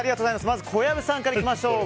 まず小籔さんからいきましょう。